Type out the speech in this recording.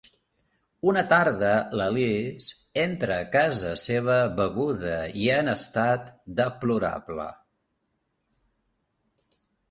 Una tarda l'Alice entra a casa seva beguda i en estat deplorable.